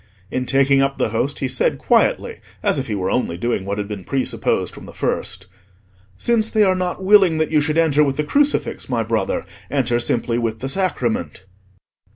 In taking up the Host he said quietly, as if he were only doing what had been presupposed from the first— "Since they are not willing that you should enter with the crucifix, my brother, enter simply with the Sacrament."